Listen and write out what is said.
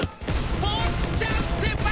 ぼっちゃんってば！